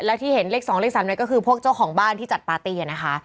แล้วที่เห็นเลข๒เลข๓เนี่ยก็คือพวกเจ้าของบ้านที่จัดปาร์ตี้นะคะ